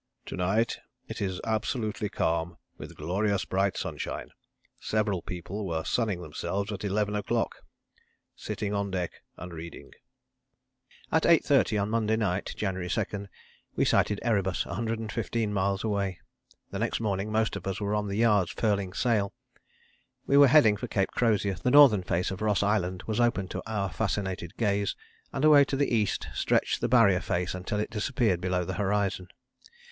"To night it is absolutely calm, with glorious bright sunshine. Several people were sunning themselves at 11 o'clock! Sitting on deck and reading." At 8.30 on Monday night, January 2, we sighted Erebus, 115 miles away. The next morning most of us were on the yards furling sail. We were heading for Cape Crozier, the northern face of Ross Island was open to our fascinated gaze, and away to the east stretched the Barrier face until it disappeared below the horizon.